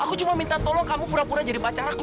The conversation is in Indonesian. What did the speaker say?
aku cuma minta tolong kamu pura pura jadi pacaraku